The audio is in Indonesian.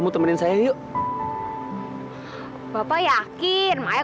maksudnya apa saman bluetooth yang krim berat